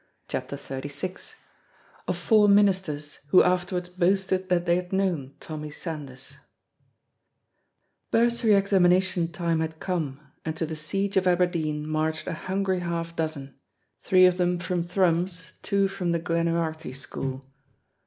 CHAPTER XXXVI OF FOUR MINISTERS WHO AFTERWARDS BOASTED THAT THEY HAD KNOWN TOMMY SANDYS Bursary examination time had come, and to the siege of Aberdeen marched a hungry half dozen three of them from Thrums, two from the Glenuharity school.